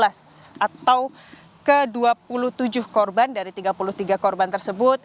atau ke dua puluh tujuh korban dari tiga puluh tiga korban tersebut